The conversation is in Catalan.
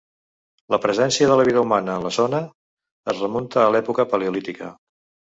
La presència de vida humana en la zona es remunta a l'època paleolítica.